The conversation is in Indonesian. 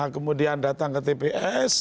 kemudian datang ke tps